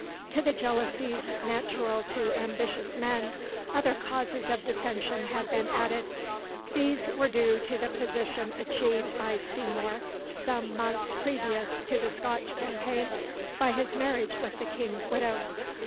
To the jealousies natural to ambitious men other causes of dissension had been added. These were due to the position achieved by Seymour some months previous to the Scotch campaign by his marriage with the King's widow.